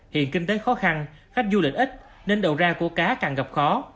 hiện kinh tế khó khăn khách du lịch ít nên đầu ra của cá càng gặp khó